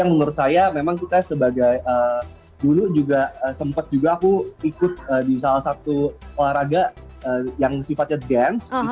menurut saya memang kita sebagai dulu juga sempat juga aku ikut di salah satu olahraga yang sifatnya dance